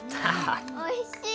おいしい！